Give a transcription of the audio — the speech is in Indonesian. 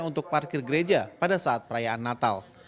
untuk parkir gereja pada saat perayaan natal